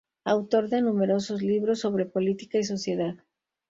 Autor de numerosos libros sobre política y sociedad.